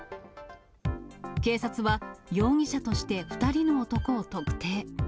警察は、容疑者として２人の男を特定。